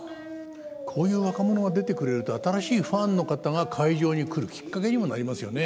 こういう若者が出てくれると新しいファンの方が会場に来るきっかけにもなりますよね。